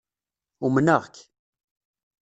Umnaɣ-k